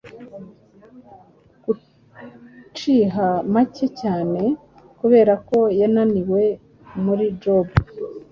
Guciha make cyane, kubera ko yananiwe muri Jobu,